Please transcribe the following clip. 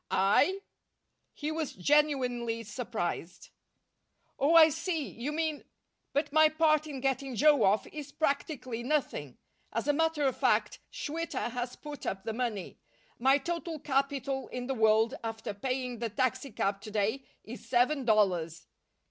"I?" He was genuinely surprised. "Oh, I see. You mean but my part in getting Joe off is practically nothing. As a matter of fact, Schwitter has put up the money. My total capital in the world, after paying the taxicab to day, is seven dollars."